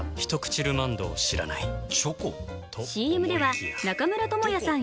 ＣＭでは中村倫也さん